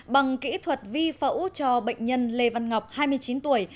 bằng kỹ thuật vi phẫu cho bệnh nhân lê văn ngọc hai mươi chín tuổi